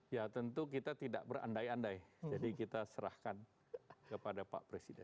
ya tentu kita tidak berandai andai jadi kita serahkan kepada pak presiden